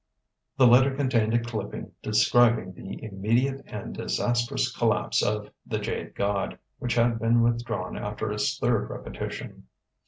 The letter contained a clipping describing the immediate and disastrous collapse of "The Jade God," which had been withdrawn after its third repetition.